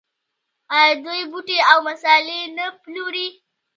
آیا دوی بوټي او مسالې نه پلوري؟